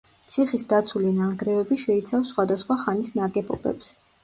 ციხის დაცული ნანგრევები შეიცავს სხვადასხვა ხანის ნაგებობებს.